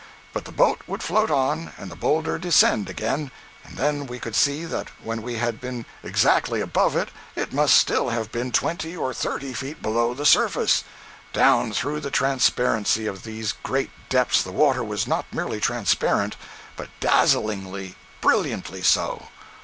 But the boat would float on, and the boulder descend again, and then we could see that when we had been exactly above it, it must still have been twenty or thirty feet below the surface. Down through the transparency of these great depths, the water was not merely transparent, but dazzlingly, brilliantly so.